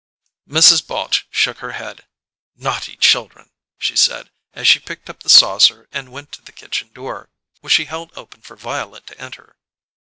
_" Mrs. Balche shook her head. "Naughty children!" she said, as she picked up the saucer and went to the kitchen door, which she held open for Violet to enter.